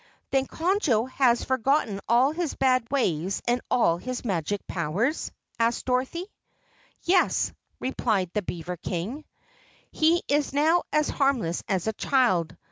"Then Conjo has forgotten all his bad ways and all his magic powers?" asked Dorothy. "Yes," replied the beaver King. "He is now as harmless as a child.